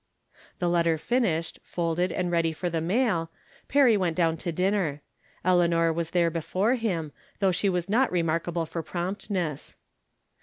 The letter finished, folded and ready for the mail, Perry went down to dinner. Eleanor was there before him, though she was not remarkable for promptness.